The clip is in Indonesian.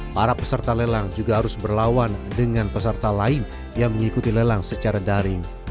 para peserta lelang juga harus berlawan dengan peserta lain yang mengikuti lelang secara daring